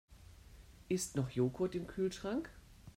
Ist noch Joghurt im Kühlschrank?